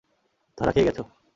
ধরা খেয়ে গেছো।